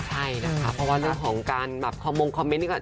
ใช่นะคะเพราะว่าเรื่องของการมุมคอมเม้นท์